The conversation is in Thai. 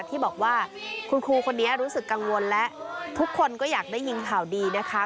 ที่บอกว่าคุณครูคนนี้รู้สึกกังวลและทุกคนก็อยากได้ยินข่าวดีนะคะ